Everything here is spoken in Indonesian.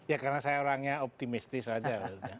ya karena saya orangnya optimistis saja